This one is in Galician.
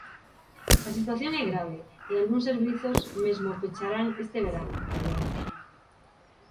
A situación é grave, e algúns servizos mesmo pecharán este verán, Alberto...